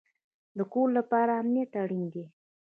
د کور لپاره امنیت اړین دی